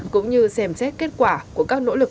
cũng như xem xét kết quả của các nỗ lực